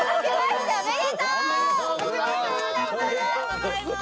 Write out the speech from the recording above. おめでとうございます。